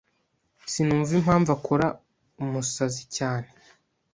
Sinumva impamvu akora umusazi cyane.